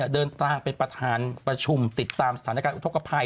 เดินทางไปประธานประชุมติดตามสถานการณ์อุทธกภัย